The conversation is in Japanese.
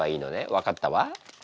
分かったわ。